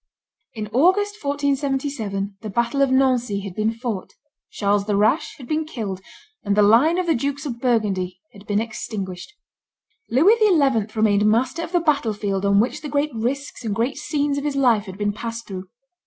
In August, 1477, the battle of Nancy had been fought; Charles the Rash had been killed; and the line of the Dukes of Burgundy had been extinguished. Louis XI. remained master of the battle field on which the great risks and great scenes of his life had been passed through.